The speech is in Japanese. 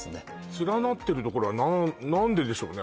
連なってるところは何ででしょうね？